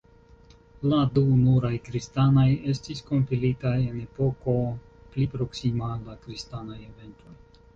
La du nuraj kristanaj estis kompilitaj en epoko pli proksima al la kristanaj eventoj.